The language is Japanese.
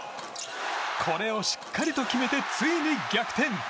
これをしっかりと決めてついに逆転。